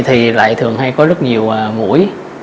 thì lại thường hay có rất nhiều mũi